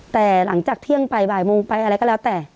แต่หลังจากเที่ยงไปบ่ายโมงไปอะไรก็แล้วแต่